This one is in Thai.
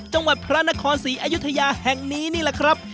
จังหวัดพระนครศรีอยุธยาแห่งนี้นี่แหละครับ